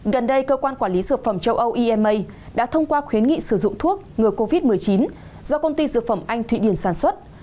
gần đây cơ quan quản lý sửa phẩm châu âu đã thông qua khuyến nghị sử dụng thuốc ngừa covid một mươi chín do công ty sửa phẩm anh thụy điền sản xuất